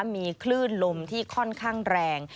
มีคลื่นลมที่ค่อนข้างแรง